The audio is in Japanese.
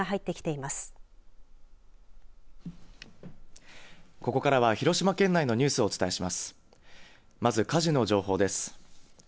まず、火事の情報です。